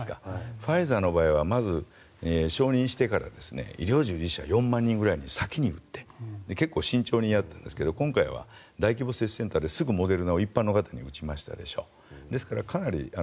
ファイザーのほうはまず承認してから医療従事者４万人くらいに先に打って結構、慎重にやっているんですけど今回は大規模接種センターですぐモデルナを一般の方に打ちましたでしょ。